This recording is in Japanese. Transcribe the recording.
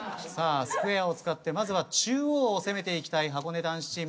さあスクエアを使ってまずは中央を攻めていきたい